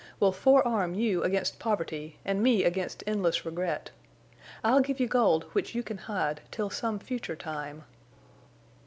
We'll forearm you against poverty, and me against endless regret. I'll give you gold which you can hide—till some future time."